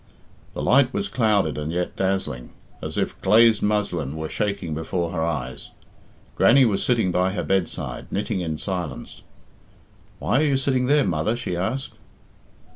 The light was clouded and yet dazzling, as if glazed muslin were shaking before her eyes. Grannie was sitting by her bedside, knitting in silence. "Why are you sitting there, mother?" she asked.